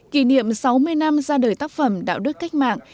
kỷ niệm sáu mươi năm ra đời tác phẩm đạo đức cách mạng